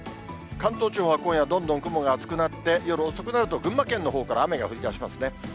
関東地方は今夜どんどん雲が厚くなって、夜遅くなると、群馬県のほうから雨が降りだしますね。